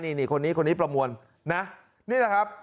นี่คนนี้คนนี้ประมวลนะนี่แหละครับ